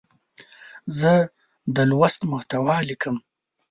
زه د لوست محتوا لیکم.